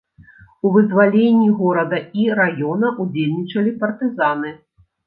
У вызваленні горада і раёна ўдзельнічалі партызаны.